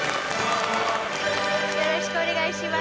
よろしくお願いします。